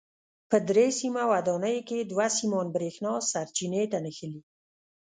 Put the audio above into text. په درې سیمه ودانیو کې دوه سیمان برېښنا سرچینې ته نښلي.